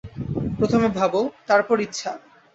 প্রথমে ভাব, তারপর ইচ্ছা।